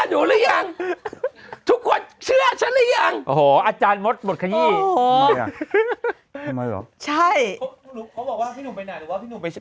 หรือว่าพี่หนุ่มไปที่